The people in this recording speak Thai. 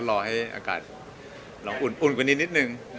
เก๋จะมีโอกาสได้ชุดคู่กับผู้ชายที่สุดของเก๋